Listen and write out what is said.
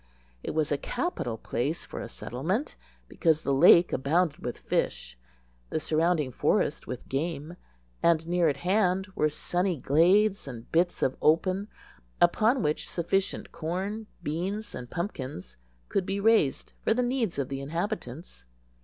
It was a capital place for a settlement, because the lake abounded with fish, the surrounding forest with game, and near at hand were sunny glades and bits of open upon which sufficient corn, beans, and pumpkins could be raised for the needs of the inhabitants.